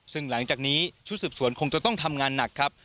ซึ่งหลังจากนี้ชุดสืบสวนคงจะต้องทำงานหนักครับ